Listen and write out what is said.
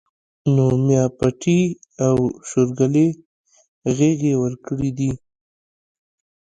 نو ميا پټي او شورګلې غېږې ورکړي دي